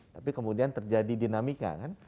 tapi kemudian terjadi dinamika kan